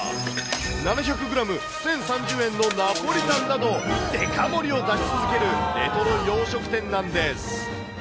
７００グラム１０３０円のナポリタンなど、デカ盛りを出し続けるレトロ洋食店なんです。